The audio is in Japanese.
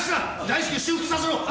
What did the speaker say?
大至急修復させろ。